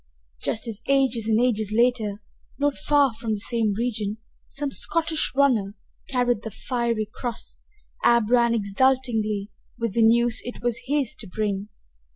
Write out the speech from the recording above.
Just as ages and ages later, not far from the same region, some Scottish runner carried the fiery cross, Ab ran exultingly with the news it was his to bring.